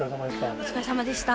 お疲れさまでした。